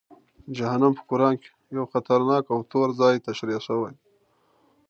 جهنم په قرآن کې یو خطرناک او توره ځای تشریح شوی دی.